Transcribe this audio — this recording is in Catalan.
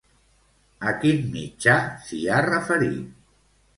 A quin mitjà s'hi ha referit?